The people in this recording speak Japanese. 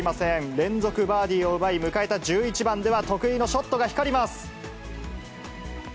連続バーディーを奪い、迎えた１１番では、得意のショットが光ります。